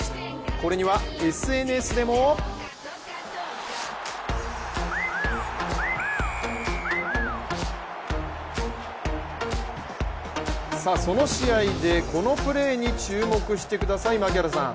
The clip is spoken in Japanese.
これにはＳＮＳでもその試合でこのプレーに注目してください、槙原さん。